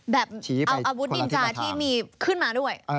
เอาอาวุธนินจาที่มีขึ้นมาด้วย